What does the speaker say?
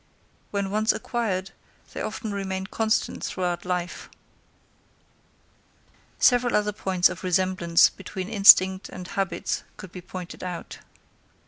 When once acquired, they often remain constant throughout life. Several other points of resemblance between instincts and habits could be pointed out.